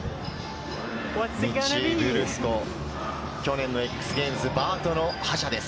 ミッチー・ブルスコ、去年のＸＧａｍｅｓバートの覇者です。